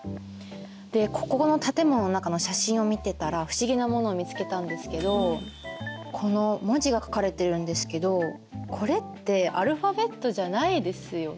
でここの建物の中の写真を見てたら不思議なものを見つけたんですけどこの文字が書かれてるんですけどこれってアルファベットじゃないですよね？